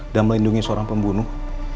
dan melindungi seorang pembunuh